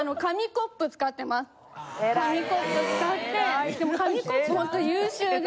紙コップ使ってでも紙コップほんとに優秀で。